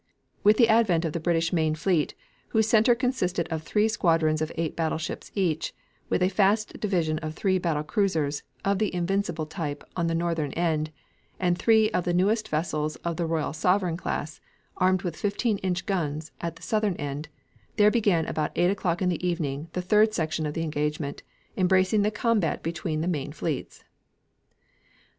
With the advent of the British main fleet, whose center consisted of three squadrons of eight battleships each, with a fast division of three battle cruisers of the Invincible type on the northern end, and three of the newest vessels of the Royal Sovereign class, armed with fifteen inch guns, at the southern end, there began about 8 o'clock in the evening the third section of the engagement, embracing the combat between the main fleets.